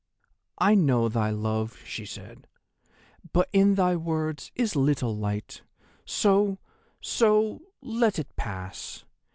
"'I know thy love,' she said, 'but in thy words is little light. So—so—let it pass!